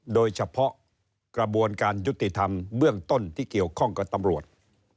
โดยเฉพาะกระบวนการยุติธรรมเบื้องต้นที่เกี่ยวข้องกับตำรวจ